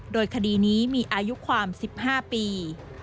โดยคดีนี้มีอายุความ๑๕ปี